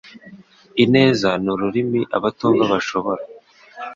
Ineza ni ururimi abatumva bashobora